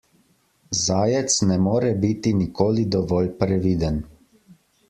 Zajec ne more biti nikoli dovolj previden.